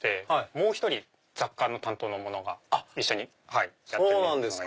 もう１人雑貨の担当の者が一緒にやってる。